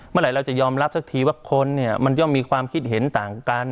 เมื่อไหร่เราจะยอมรับสักทีว่าคนเนี่ยมันย่อมมีความคิดเห็นต่างกัน